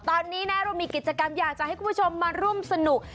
ตอนนี้นะเรามีกิจกรรมอยากจะให้คุณผู้ชมมาร่วมสนุก